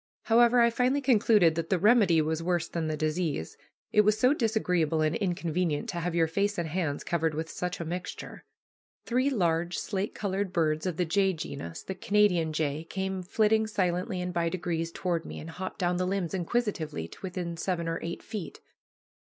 However, I finally concluded that the remedy was worse than the disease, it was so disagreeable and inconvenient to have your face and hands covered with such a mixture. Three large slate colored birds of the jay genus, the Canada jay, came flitting silently and by degrees toward me, and hopped down the limbs inquisitively to within seven or eight feet.